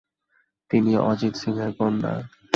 তিনি অজিত সিং এর কন্যা।